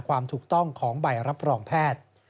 ความถูกต้องของใบรับรองแพทย์